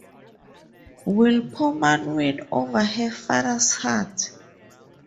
Will Pournami win over her father’s heart.